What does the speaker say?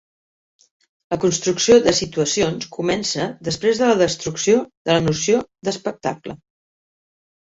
La construcció de situacions comença després de la destrucció de la noció d'espectacle.